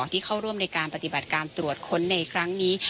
ที่เข้าร่วมในการปฏิบัติการตรวจค้นในครั้งนี้